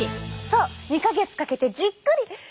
そう２か月かけてじっくり。